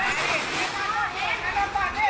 เอาเอาเอาพ้าพ้า